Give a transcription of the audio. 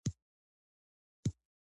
هغه په نره د دښمن مقابله وکړه.